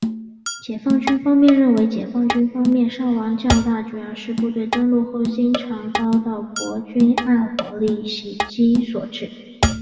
解放军方面认为解放军方面伤亡较大主要是部队登陆后经常遭到国军暗火力点袭击所致。